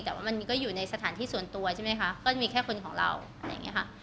แต่ว่ามันก็อยู่ในสถานที่ส่วนตัวใช่ไหมคะก็จะมีแค่คนของเราอะไรอย่างนี้ค่ะ